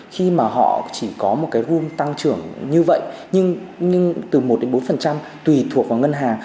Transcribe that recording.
khi mà họ chỉ có một cái room tăng trưởng như vậy nhưng từ một đến bốn tùy thuộc vào ngân hàng